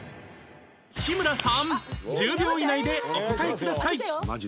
日村さん１０秒以内でお答えください